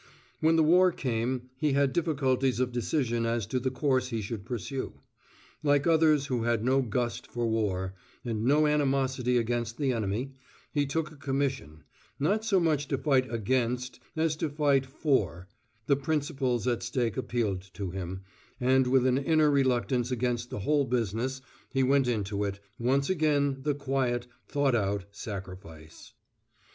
When the war came he had difficulties of decision as to the course he should pursue. Like others who had no gust for war, and no animosity against the enemy, he took a commission, not so much to fight against as to fight for; the principles at stake appealed to him, and with an inner reluctance against the whole business he went into it once again the quiet, thought out sacrifice."